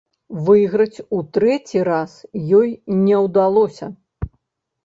Выйграць у трэці раз ёй не ўдалося.